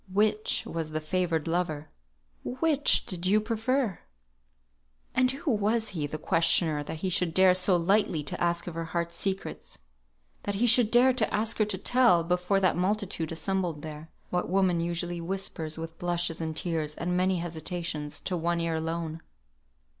Which was the favoured lover? Which did you prefer?" And who was he, the questioner, that he should dare so lightly to ask of her heart's secrets? That he should dare to ask her to tell, before that multitude assembled there, what woman usually whispers with blushes and tears, and many hesitations, to one ear alone?